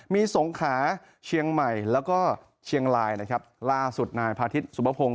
มีสงขาเชียงใหม่แล้วก็เชียงรายนะครับล่าสุดนายพาทิศสุภพงศ